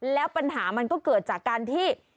แล้วปัญหามันก็เกิดจากการที่